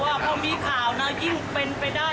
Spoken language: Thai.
พอมีข่าวยิ่งเป็นไปได้มากเลย